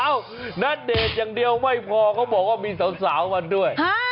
ณเดชน์อย่างเดียวไม่พอเขาบอกว่ามีสาวมาด้วย